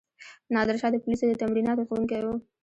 نادرشاه د پولیسو د تمریناتو ښوونکی وو.